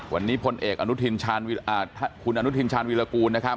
วันนี้พนเอกคุณอนุทินชาญวิรกูล